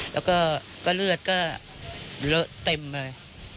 แล้วก็เลือดก็เลอะเต็มเลย